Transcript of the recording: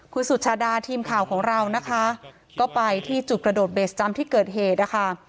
คุณสุชาดาทีมข่าวของเรานะคะก็ไปที่จุดกระโดดเบสจำที่เกิดเหตุนะคะ